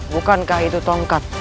bukankah itu tongkat